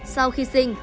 sau khi sinh